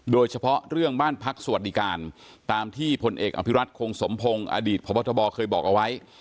โดยเฉพาะเรื่องบ้านพักสวัสดิการตามที่พลเอกอภิรัตคงสมพงศ์อดีตพบทบเคยบอกเอาไว้